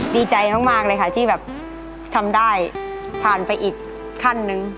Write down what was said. ดีใจมากเลยค่ะที่แบบทำได้ผ่านไปอีกขั้นหนึ่ง